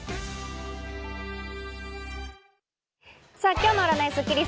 今日の占いスッキリす。